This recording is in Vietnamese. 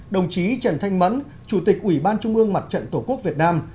đồng chí trần thanh mẫn chủ tịch ủy ban trung ương mặt trận tổ quốc việt nam